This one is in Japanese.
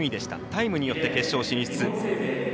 タイムによって決勝進出。